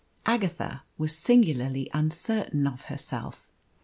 Agatha was singularly uncertain of herself.